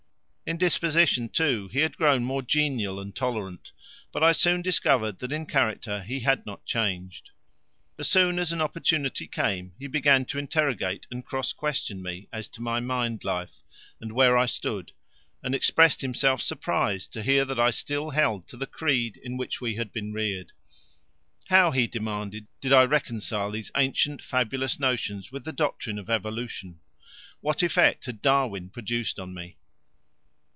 In disposition, too, he had grown more genial and tolerant, but I soon discovered that in character he had not changed. As soon as an opportunity came he began to interrogate and cross question me as to my mind life and where I stood, and expressed himself surprised to hear that I still held to the creed in which we had been reared. How, he demanded, did I reconcile these ancient fabulous notions with the doctrine of evolution? What effect had Darwin produced on me?